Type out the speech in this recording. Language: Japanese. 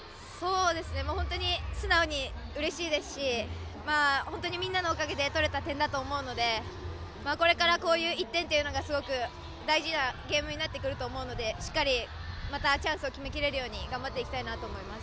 本当に素直にうれしいですしみんなのおかげで取れた点だと思うのでこれからこういう１点というのがすごく大事なゲームになってくると思うのでしっかりまたチャンスを決めきれるように頑張っていきたいなと思います。